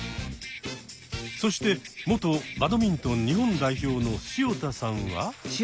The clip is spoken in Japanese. そして元バドミントン日本代表の潮田さんは。